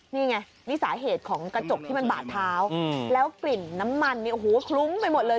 นี่ไงนี่สาเหตุของกระจกที่มันบาดเท้าแล้วกลิ่นน้ำมันเนี่ยโอ้โหคลุ้งไปหมดเลย